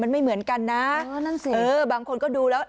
มันไม่เหมือนกันนะอ๋อนั่นสิเออบางคนก็ดูแล้ว